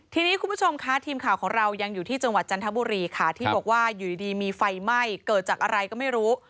ทีนี้คุณผู้ชมค่ะทีมข่าวของเรายังอยู่ที่จังหวัดจันทบุรีค่ะที่บอกว่าอยู่ดีมีไฟไหม้เกิดจากอะไรก็ไม่รู้